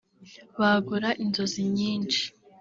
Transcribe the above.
Bagora inzozi nyinshi